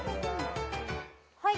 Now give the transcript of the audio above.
はい。